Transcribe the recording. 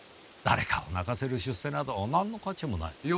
誰かを泣かせる出世などなんの価値もない。